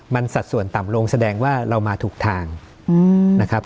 มันสัดส่วนต่ำลงแสดงว่าเรามาถูกทางนะครับ